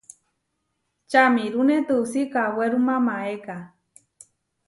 Čamirúne tuusí kawéruma maéka.